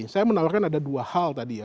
saya menawarkan ada dua hal tadi ya